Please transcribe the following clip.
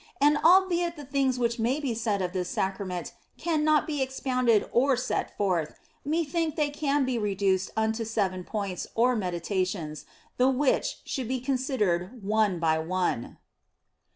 And albeit the things which may be said of this Sacrament cannot be expounded or set forth, methinketh they can be re duced unto seven points, or meditations, the which should be considered one by one.